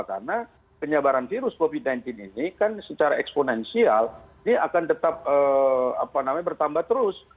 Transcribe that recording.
karena penyebaran virus covid sembilan belas ini kan secara eksponensial ini akan tetap bertambah terus